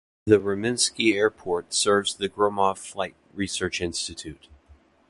The Ramenskoye Airport serves the Gromov Flight Research Institute.